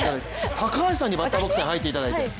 高橋さんにバッターボックスに入っていただいて。